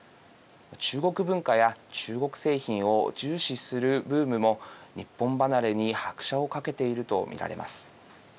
中国文化や中国製品を重視するブームも日本離れに拍車をかけていると見られます。